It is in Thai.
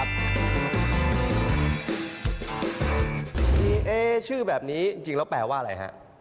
เอ๊ชื่อแบบนี้จริงแล้วแปลว่าอะไรฮะ